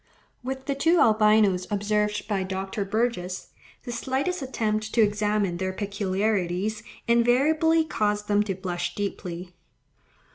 With the two albinos observed by Dr. Burgess, "the slightest attempt to examine their peculiarities invariably caused them to blush deeply."